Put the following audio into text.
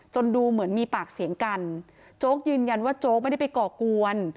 ดูเหมือนมีปากเสียงกันโจ๊กยืนยันว่าโจ๊กไม่ได้ไปก่อกวน